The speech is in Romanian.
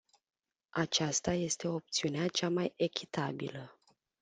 Aceasta este opțiunea cea mai echitabilă.